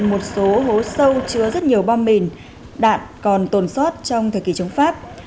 một số hố sâu chứa rất nhiều bom mìn đạn còn tồn sót trong thời kỳ chống pháp